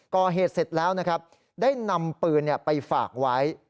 ก่อเหตุเสร็จแล้วนะครับได้นำปืนไปฝากไว้